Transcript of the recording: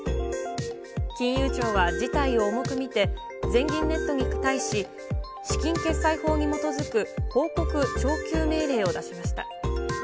金融庁は事態を重く見て、全銀ネットに対し、資金決済法に基づく報告徴求命令を出しました。